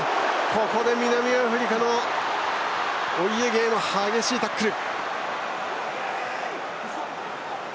ここで南アフリカのお家芸の激しいタックル。